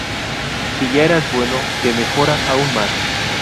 Si ya eras bueno, te mejora aún más".